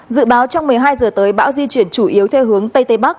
dự báo trong một mươi hai giờ tới bão di chuyển chủ yếu theo hướng tây tây bắc